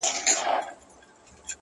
دعا ، دعا ، دعا ،دعا كومه،